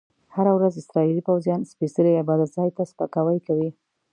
هره ورځ اسرایلي پوځیان سپیڅلي عبادت ځای ته سپکاوی کوي.